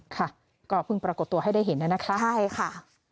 ค่ะก็เพิ่งปรากฏตัวให้ได้เห็นแล้วนะคะ